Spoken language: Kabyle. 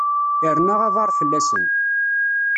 Irna aḍar fell-asen.